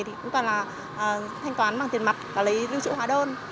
thì cũng toàn là thanh toán bằng tiền mặt và lấy lưu trữ hóa đơn